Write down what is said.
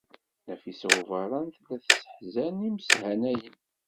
Nafisa n Ubeṛṛan tella tesseḥzan imeshanayen.